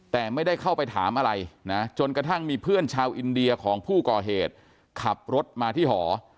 แต่ไม่ได้เข้าไปถามอะไรนะจนกระทั่งมีเพื่อนชาวอินเดียของผู้ก่อเหตุขับรถมาที่หอ